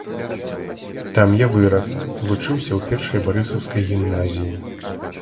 Там я вырас, вучыўся ў першай барысаўскай гімназіі.